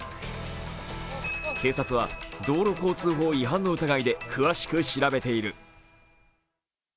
警察は、道路交通法違反の疑いで詳しく調べている。